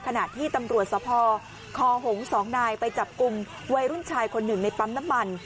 ขณะที่ตำรวจสภคอหง๒นายไปจับกลุ่มวัยรุ่นชายคนหนึ่งในปั๊มน้ำมัน